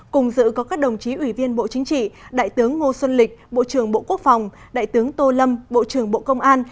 cùng dự có các đồng chí ủy viên bộ chính trị đại tướng ngô xuân lịch bộ trưởng bộ quốc phòng đại tướng tô lâm bộ trưởng bộ công an